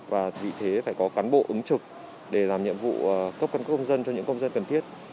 và vị thế phải có cán bộ ứng trực để làm nhiệm vụ cấp căn cước công dân cho những công dân cần thiết